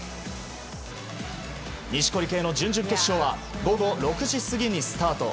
錦織圭の準々決勝は午後６時過ぎにスタート。